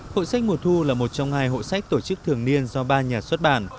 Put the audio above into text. hội sách mùa thu là một trong hai hội sách tổ chức thường niên do ba nhà xuất bản